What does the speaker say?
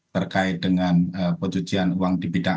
terkait dengan pencucian uang di bidang